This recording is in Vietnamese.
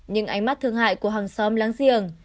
những ánh mắt thương hại của hàng xóm láng giềng